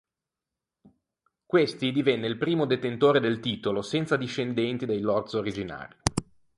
Questi divenne il primo detentore del titolo senza discendenti dei lords originari.